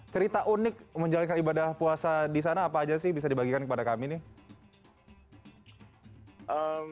cerita unik menjalankan ibadah puasa di sana apa aja sih bisa dibagikan kepada kami nih